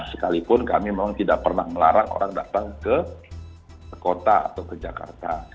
sekalipun kami memang tidak pernah melarang orang datang ke kota atau ke jakarta